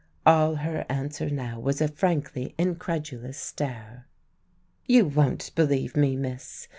All her answer now was a frankly incredulous stare. "You won't believe me, miss.